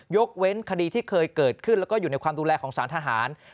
ยกเว้นคดีที่เคยเกิดขึ้นแล้วก็อยู่ในความดูแลของสารทหาร